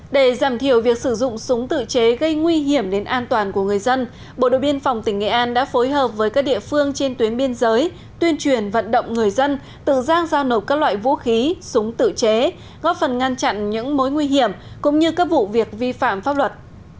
để giảm thiểu việc sử dụng súng tự chế gây nguy hiểm đến an toàn của người dân bộ đội biên phòng tỉnh nghệ an đã phối hợp với các địa phương trên tuyến biên giới tuyên truyền vận động người dân tự giang giao nộp các loại vũ khí súng tự chế góp phần ngăn chặn những mối nguy hiểm cũng như các vụ việc vi phạm pháp luật